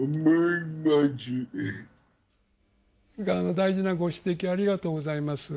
大事なご指摘ありがとうございます。